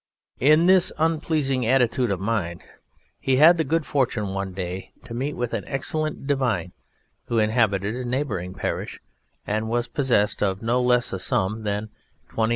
In this unpleasing attitude of mind he had the good fortune one day to meet with an excellent Divine who inhabited a neighbouring parish, and was possessed of no less a sum than £29,000.